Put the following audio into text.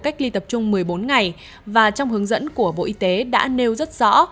cách ly tập trung một mươi bốn ngày và trong hướng dẫn của bộ y tế đã nêu rất rõ